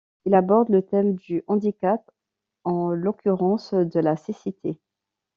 Il aborde le thème du handicap, en l'occurrence de la cécité.